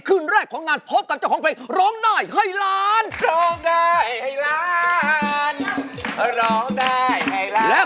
คืนแรกของงานพร้อมฟักสามารถเกี่ยวกับเจ้าของเพลงร้องได้ให้ล้าน